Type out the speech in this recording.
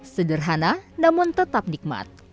sederhana namun tetap nikmat